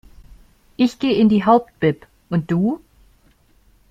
Ich geh in die Hauptbib, und du?